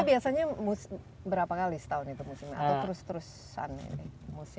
itu biasanya berapa kali setahun itu musimnya atau terus terusan